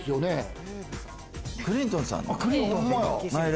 クリントンさん。